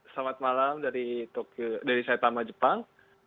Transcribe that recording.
selamat malam dari setama jepang